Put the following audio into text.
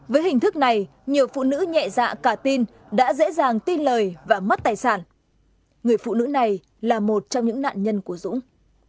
với hình thức này nhiều phụ nữ nhẹ dạ cả tin đã dễ dàng tin lời và mất tài sản người phụ nữ này là một trong những nạn nhân của dũng